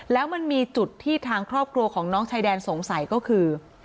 แล้วมันมีจุดที่ทางครอบครัวของน้องชายแดนสงสัยก็คือ